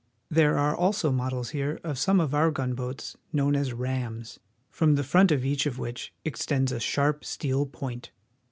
There are also models here of some of our gunboats known as rams, from the front of each of which extends a sharp steel point.